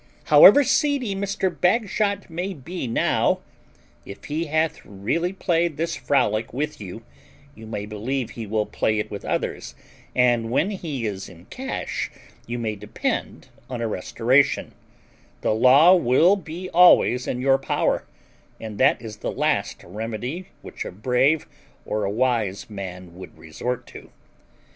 ] Mr. Bagshot may be now, if he hath really played this frolic with you, you may believe he will play it with others, and when he is in cash you may depend on a restoration; the law will be always in your power, and that is the last remedy which a brave or a wise man would resort to.